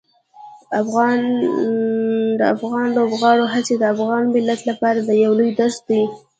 د افغان لوبغاړو هڅې د افغان ملت لپاره یو لوی درس دي.